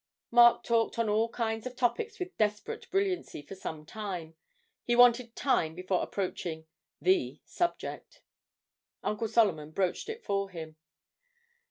Mark talked on all kinds of topics with desperate brilliancy for some time; he wanted time before approaching the subject. Uncle Solomon broached it for him.